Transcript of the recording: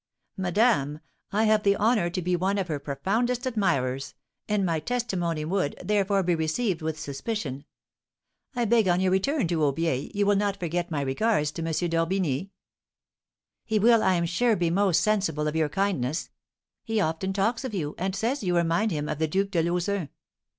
"Madame, I have the honour to be one of her profoundest admirers, and my testimony would, therefore, be received with suspicion. I beg, on your return to Aubiers, you will not forget my regards to M. d'Orbigny." "He will, I am sure, be most sensible of your kindness; he often talks of you, and says you remind him of the Duke de Lauzun."